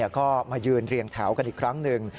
ก็มายืนเรียงแถวกันอีกครั้งหนึ่ง